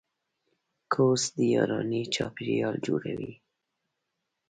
کورس د یارانې چاپېریال جوړوي.